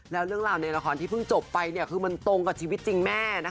แล้วเรื่องราวในละครที่เพิ่งจบไปคือมันตรงกับชีวิตจริงแม่